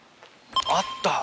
あった。